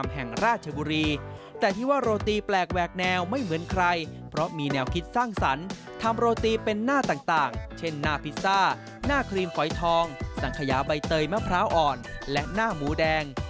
หน้าครีมขอยทองสังขยาใบเตยมะพร้าวอ่อนและหน้าหมูแดง